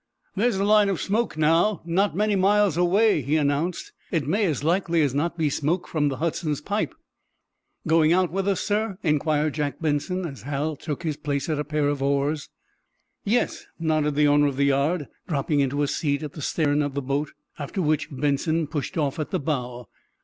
"There's a line of smoke, now, and not many miles away," he announced. "It may, as likely as not, be smoke from the 'Hudson's' pipe." "Going out with us, sir?" inquired Captain Jack Benson, as Hal took his place at a pair of oars. "Yes," nodded the owner of the yard, dropping into a seat at the stern of the boat, after which Benson pushed off at the bow.